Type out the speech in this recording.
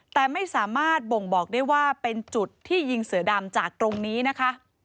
แต่ไม่สามารถบ่งบอกได้ว่าเป็นจุดที่ยิงเสือดำจากตรงนี้นะคะ